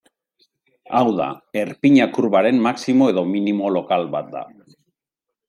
Hau da, erpina kurbaren maximo edo minimo lokal bat da.